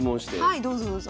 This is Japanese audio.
はいどうぞどうぞ。